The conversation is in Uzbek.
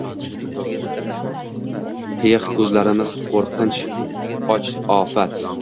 Qiyiq ko’zlarimiz qo’rqinch, och-ofat.